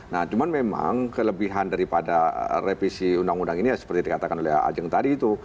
nah cuman memang kelebihan daripada revisi undang undang ini seperti dikatakan oleh ajeng tadi itu